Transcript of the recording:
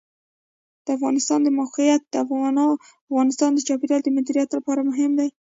د افغانستان د موقعیت د افغانستان د چاپیریال د مدیریت لپاره مهم دي.